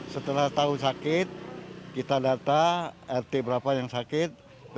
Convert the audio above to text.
setelah tahu sakit kita data rt berapa yang sakit